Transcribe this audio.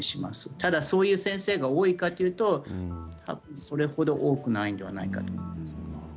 ただ、そういう先生が多いかというとそれ程多くないんじゃないかなと思います。